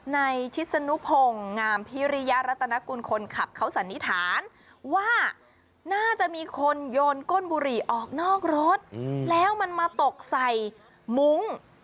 ชิศนุพงศ์งามพิริยรัตนกุลคนขับเขาสันนิษฐานว่าน่าจะมีคนโยนก้นบุหรี่ออกนอกรถแล้วมันมาตกใส่มุ้ง